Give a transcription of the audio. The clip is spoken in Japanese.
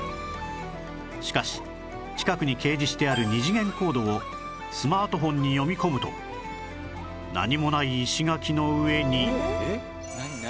しかし近くに掲示してある二次元コードをスマートフォンに読み込むと何もない石垣の上に